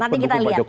nanti kita lihat